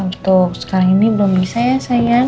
untuk sekarang ini belum bisa ya sayang